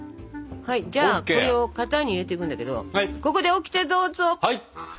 はいじゃあこれを型に入れていくんだけどここでオキテどうぞ！